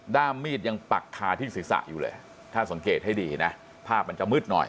้ามมีดยังปักคาที่ศีรษะอยู่เลยถ้าสังเกตให้ดีนะภาพมันจะมืดหน่อย